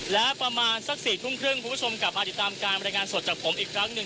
และประมาณสัก๔ทุ่มครึ่งคุณผู้ชมกลับมาติดตามการบรรยายงานสดจากผมอีกครั้งหนึ่ง